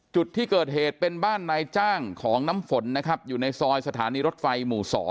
จุดที่เกิดเหตุเป็นบ้านนายจ้างของน้ำฝนนะครับอยู่ในซอยสถานีรถไฟหมู่๒